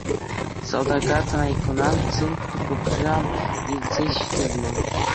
Салтака Танайкӑна цинк тупӑкра илсе ҫитернӗ.